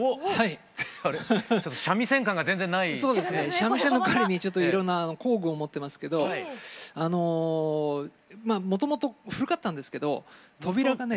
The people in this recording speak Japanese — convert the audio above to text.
三味線のかわりにちょっといろんな工具を持ってますけどあのもともと古かったんですけど扉がね